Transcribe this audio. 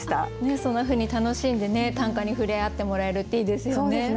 そんなふうに楽しんで短歌に触れ合ってもらえるっていいですよね。